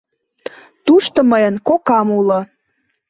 Тушто мыйын кокам уло.